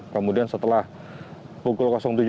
kemudian setelah pukul tujuh kita berkumpul ke tni angkatan laut